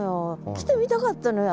来てみたかったのよ